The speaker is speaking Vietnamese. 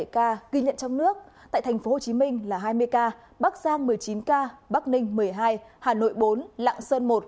một mươi ca ghi nhận trong nước tại tp hcm là hai mươi ca bắc giang một mươi chín ca bắc ninh một mươi hai hà nội bốn lạng sơn một